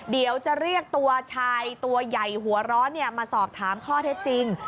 เดี๋ยวจะเรียกตัวชายตัวใหญ่หัวร้อนมาสอบถามข้อเท็จจริง